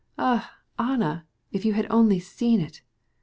Ah, Anna, if you had seen it!